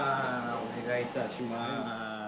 お願いいたします。